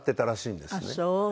あっそう。